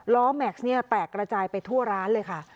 แม็กซ์เนี่ยแตกระจายไปทั่วร้านเลยค่ะ